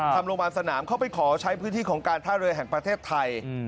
โรงพยาบาลสนามเขาไปขอใช้พื้นที่ของการท่าเรือแห่งประเทศไทย